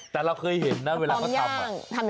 แต่เราเคยเห็นนะเวลาเขาทำ